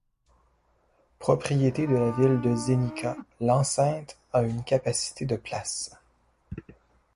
Propriété de la ville de Zenica, l'enceinte a une capacité de places.